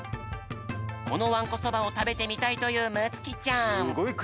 このわんこそばをたべてみたいというむつきちゃん。